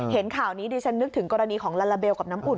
เห็นข่าวนี้ดิฉันนึกถึงกรณีของลาลาเบลกับน้ำอุ่น